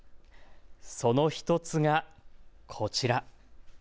その１つがこちら。